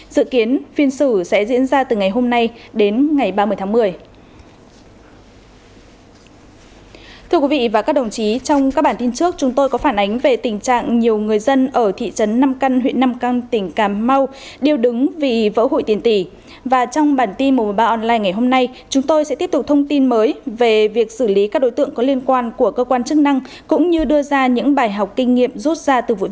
dự kiến phiên xử sẽ diễn ra từ ngày hôm nay đến ngày ba mươi tháng một mươi